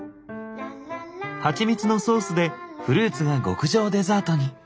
ハチミツのソースでフルーツが極上デザートに。